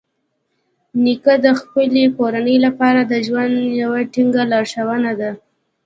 نیکه د خپلې کورنۍ لپاره د ژوند یوه ټینګه لارښونه ده.